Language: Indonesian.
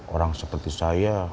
orang seperti saya